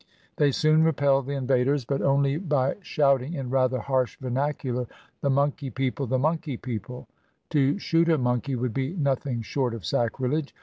They soon repel the invaders, but 226 CAMP LIFE IN INDIA only by shouting in rather harsh vernacular, "The monkey people, the monkey people! " To shoot a mon key would be nothing short of sacrilege.